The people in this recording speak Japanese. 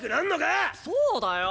そうだよ！